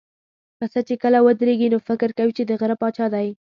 پسه چې کله ودرېږي، نو فکر کوي چې د غره پاچا دی.